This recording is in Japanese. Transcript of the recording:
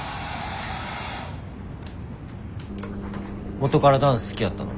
元からダンス好きやったの？